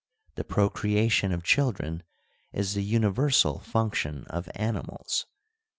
The procreation of children is the uni versal function of animals.